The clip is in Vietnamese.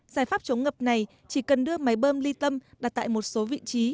giải pháp chống ngập này chỉ cần đưa máy bơm ly tâm đặt tại một số vị trí